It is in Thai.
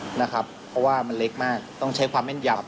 เพราะว่ามันเล็กมากต้องใช้ความแม่นยำ